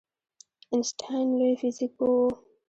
آینسټاین لوی فزیک پوه و